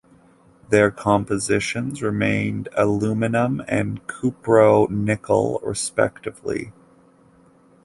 Their compositions remained aluminum and cupro-nickel, respectively.